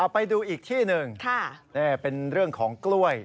ไปดูอีกที่หนึ่งเป็นเรื่องของกล้วย